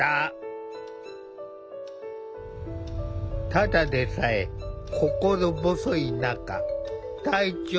ただでさえ心細い中体調はみるみる悪化。